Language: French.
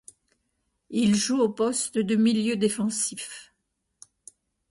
Il joue au poste de milieu défensif.